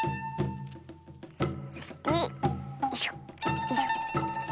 そしてよいしょよいしょ。